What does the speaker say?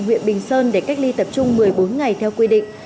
huyện bình sơn để cách ly tập trung một mươi bốn ngày theo quy định